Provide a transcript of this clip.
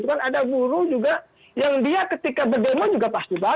ada buruh juga yang dia ketika berdemo juga pasti baca